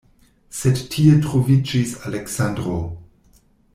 Sed tie troviĝis Aleksandro.